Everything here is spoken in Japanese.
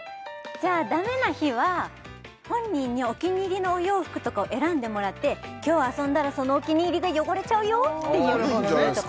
じゃダメな日は本人にお気に入りのお洋服とかを選んでもらって今日遊んだらそのお気に入りが汚れちゃうよってああいいんじゃないすか？